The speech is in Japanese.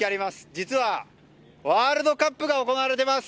実はワールドカップが行われています！